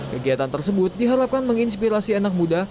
kegiatan tersebut diharapkan menginspirasi anak muda